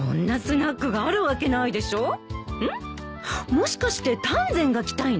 もしかして丹前が着たいの？